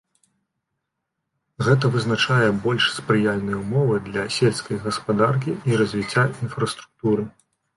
Гэта вызначае больш спрыяльныя ўмовы для сельскай гаспадаркі і развіцця інфраструктуры.